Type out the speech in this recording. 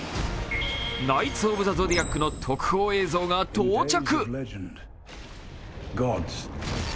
「ナイツ・オブ・ザ・ゾディアック」の特報映像が到着。